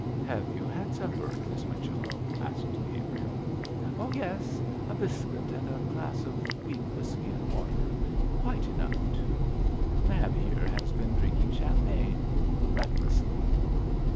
'Have you had supper, Miss Whichello?' asked Gabriel. 'Oh, yes! a biscuit and a glass of weak whisky and water; quite enough, too. Mab here has been drinking champagne recklessly.'